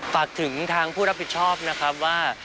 ฝากถึงทางผู้รับผิดชอบนะครับว่า